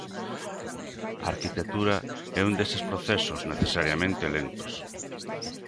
A arquitectura é un deses procesos necesariamente lentos.